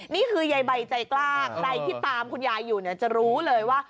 นี่คือยายใบใจกล้าใครที่ตามคุณยายอยู่เนี่ยจะรู้เลยว่า